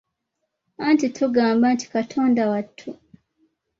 Anti tugamba nti Katonda wattu.